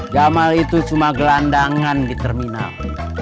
gamal itu cuma gelandangan di terminal